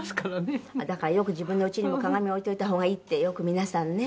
だからよく自分の家にも鏡置いておいた方がいいってよく皆さんね。